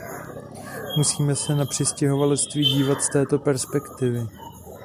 Musíme se na přistěhovalectví dívat z této perspektivy.